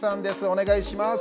お願いします。